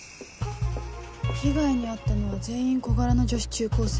被害に遭ったのは全員小柄な女子中高生。